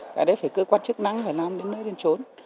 cái đấy phải cơ quan chức năng phải làm đến nơi đến trốn